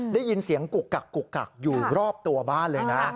ได้ยินเสียงกุกกักอยู่รอบตัวบ้านเลย